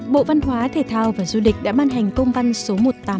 bộ văn hóa thể thao và du lịch đã ban hành công văn số một nghìn tám trăm năm mươi bảy